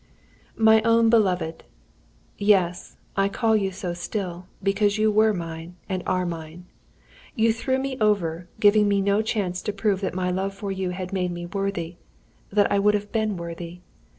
"My own Beloved "Yes, I call you so still, because you were mine, and are mine. You threw me over, giving me no chance to prove that my love for you had made me worthy that I would have been worthy.